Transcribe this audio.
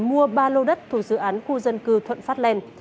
mua ba lô đất thuộc dự án khu dân cư thuận phát lên